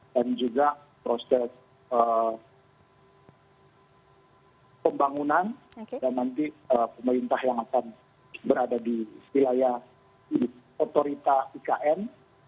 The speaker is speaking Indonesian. dan juga proses pembangunan dan nanti pemerintah yang akan berada di wilayah otorita ikn